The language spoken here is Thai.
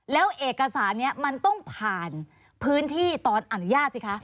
แล้วเอกสารนี้มันต้องผ่านพื้นที่ตอนอนุญาตสิคะ